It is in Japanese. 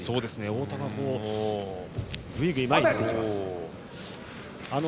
太田がぐいぐい前に出ます。